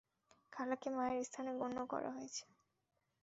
খালাকে মায়ের স্থানে গণ্য করা হয়েছে।